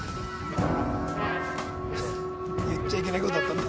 言っちゃいけない事だったんだ。